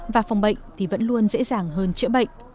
và phòng bệnh thì vẫn luôn dễ dàng hơn chữa bệnh